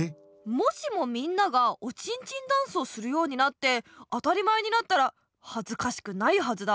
もしもみんながおちんちんダンスをするようになって当たり前になったらはずかしくないはずだ。